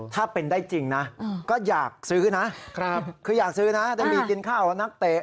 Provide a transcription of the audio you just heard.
ถ้าเป็นได้จริงนะก็อยากซื้อนะคืออยากซื้อนะถ้ามีกินข้าวกับนักเตะ